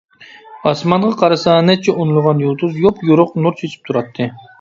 ئاسمانغا قارىسا، نەچچە ئونلىغان يۇلتۇز يوپيورۇق نۇر چېچىپ تۇراتتى.